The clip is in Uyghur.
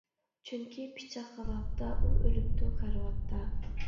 چۈنكى پىچاق غىلاپتا ئۇ ئۆلۈپتۇ كارىۋاتتا.